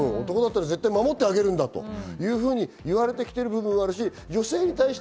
男だったら絶対に守ってあげるんだというふうに言われてきている部分はあるし。